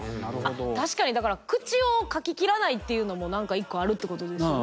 確かにだから口を描き切らないっていうのも何か１個あるってことですよね。